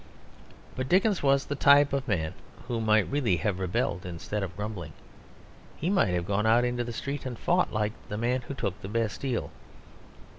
But Dickens was the type of the man who might really have rebelled instead of grumbling. He might have gone out into the street and fought, like the man who took the Bastille.